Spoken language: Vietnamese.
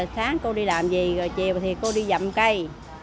sáng cô đi làm gì chiều thì cô đi dặm cây